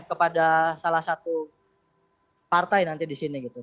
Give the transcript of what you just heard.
kepada salah satu partai nanti di sini gitu